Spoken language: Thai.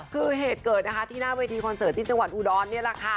คือเหตุเกิดนะคะที่หน้าเวทีคอนเสิร์ตที่จังหวัดอุดรนี่แหละค่ะ